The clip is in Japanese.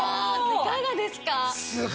いかがですか？